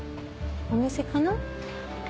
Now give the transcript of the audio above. お店かな？